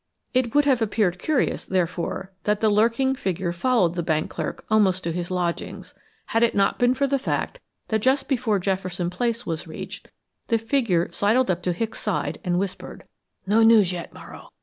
It would have appeared curious, therefore, that the lurking figure followed the bank clerk almost to his lodgings, had it not been for the fact that just before Jefferson Place was reached the figure sidled up to Hicks' side and whispered: "No news yet, Morrow.